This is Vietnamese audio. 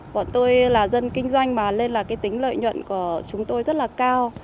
bọn tôi là dân kinh doanh mà nên là cái tính lợi nhuận của chúng tôi rất là cao